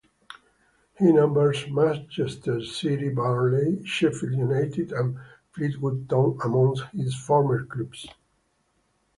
He numbers Manchester City, Burnley, Sheffield United and Fleetwood Town amongst his former clubs.